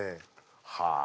はあ。